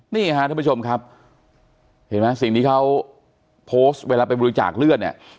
นี่ฮะท่านผู้ชมครับเห็นไหมสิ่งที่เขาโพสต์เวลาไปบริจาคเลือดเนี่ย